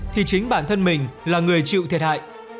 thì chính bản thân mình là người chịu thiệt hại